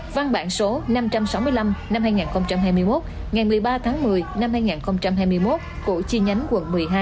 văn bản số năm trăm sáu mươi năm năm hai nghìn hai mươi một ngày một mươi ba tháng một mươi năm hai nghìn hai mươi một của chi nhánh quận một mươi hai